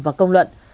và công luận